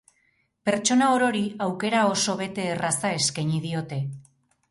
Pertsona orori aukera oso-bete erraza eskaini diote.